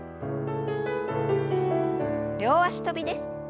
両脚跳びです。